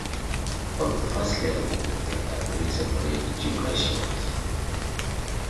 On the first level there are three separate gymnasiums.